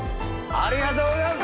ありがとうございます！